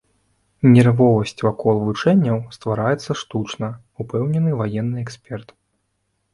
Нервовасць вакол вучэнняў ствараецца штучна, упэўнены ваенны эксперт.